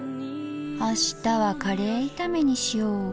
あしたはカレー炒めにしようかなあ。